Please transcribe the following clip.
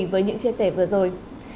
với những chia sẻ vừa rồi